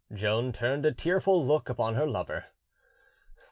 Joan turned a tearful look upon her lover.